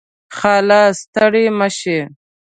خاله . ستړې مشې